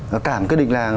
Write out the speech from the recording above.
nó cảm cái đỉnh làng